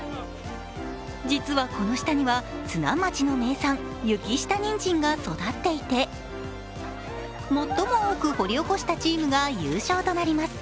実はこの下には津南町の名産、雪下にんじんが育っていて最も多く掘り起こしたチームが優勝となります。